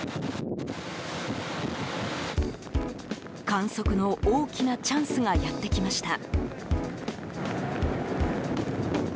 観測の大きなチャンスがやってきました。